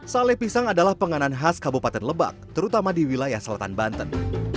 sale pisang adalah penganan khas kabupaten lebak terutama di wilayah selatan banten